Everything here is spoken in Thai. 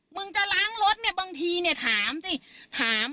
มึงจะล้างรถเนี่ยบางทีเนี่ยถามสิถาม